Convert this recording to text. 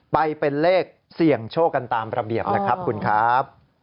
ไปเป็นเลขเสี่ยงโชคกันตามระเบียบนะครับคุณครับ